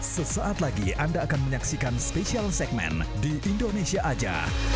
sesaat lagi anda akan menyaksikan spesial segmen di indonesia aja